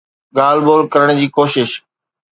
ڳالهه ٻولهه ڪرڻ جي ڪوشش.